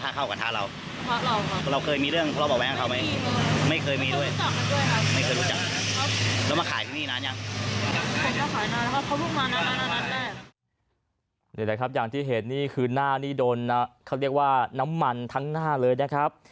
นี่แหละครับอย่างที่เห็นนี่คือหน้านี่โดนเขาเรียกว่าน้ำมันทั้งหน้าเลยนะครับ